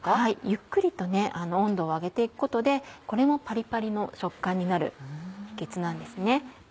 ゆっくりと温度を上げて行くことでこれもパリパリの食感になる秘訣なんですね。